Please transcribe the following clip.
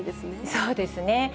そうですね。